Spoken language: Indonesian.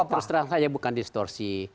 terus terang saya bukan distorsi